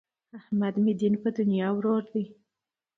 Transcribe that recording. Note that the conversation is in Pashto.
احمد مې دین په دنیا ورور دی.